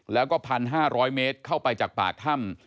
แล้วก็๑๕๐๐เมตรเข้าไปจากปากถ้ำ